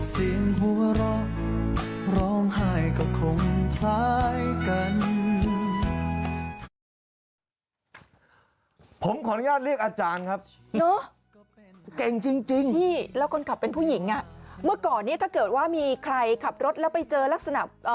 เสียงหัวเราะร้องไห้ก็คงคล้ายกัน